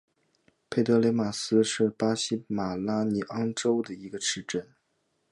佩德雷拉斯是巴西马拉尼昂州的一个市镇。